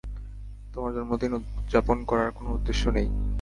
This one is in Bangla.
তোমার জন্মদিন উদযাপন করার কোন উদ্দেশ্য নেই।